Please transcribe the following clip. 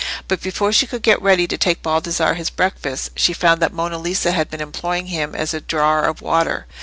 But before she could get ready to take Baldassarre his breakfast, she found that Monna Lisa had been employing him as a drawer of water.